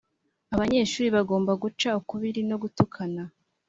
abanyeshuri bagomba guca ukubiri no gutukana (